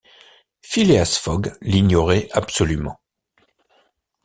Phileas Fogg l’ignorait absolument.